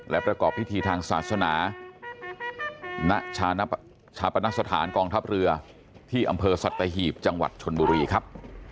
และประกอบพิธีทางศาสนาณชาปนสถานกองทัพเรือที่อำเภอสัตหีบจังหวัดชนบุรีครับ